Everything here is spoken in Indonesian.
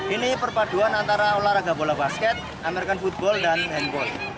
ini perpaduan antara olahraga bola basket american football dan handball